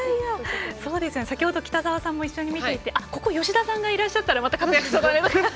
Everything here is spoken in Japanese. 先ほど北澤さんも一緒に見ていてここ吉田さんがいらっしゃったら活躍しそうだと。